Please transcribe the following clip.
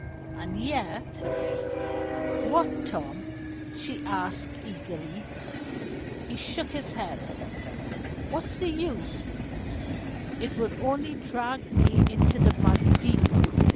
And yet " "What, Tom?" she asked eagerly. He shook his head. "What's the use? It would only drag me into the mud deeper.